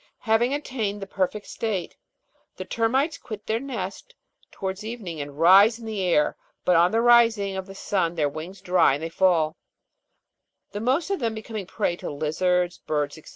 Having attained the perfect state, the termites quit their nest towards evening and rise in the air; but on the rising of the sun their wings dry and they fall, the most of them becoming a prey to lizards, birds, &c.